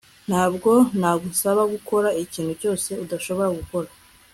Ntabwo nagusaba gukora ikintu cyose udashobora gukora